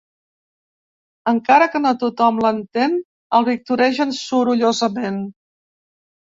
Encara que no tothom l'entén el victoregen sorollosament.